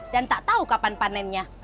dan tak tahu kapan panennya